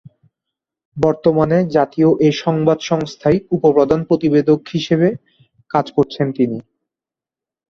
বর্তমানে জাতীয় এ সংবাদ সংস্থায় উপ-প্রধান প্রতিবেদক হিসেবে কাজ করছেন তিনি।